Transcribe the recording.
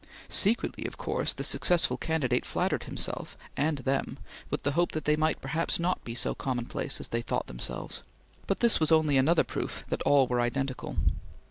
Secretly, of course, the successful candidate flattered himself and them with the hope that they might perhaps not be so commonplace as they thought themselves; but this was only another proof that all were identical.